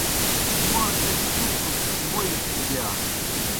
موْڑ ایْک ݜُوکَک ووئی دِیا۔